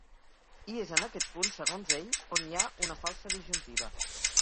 I és en aquest punt, segons ell, on hi ha una falsa disjuntiva.